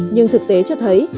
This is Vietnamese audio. nhưng thực tế cho thấy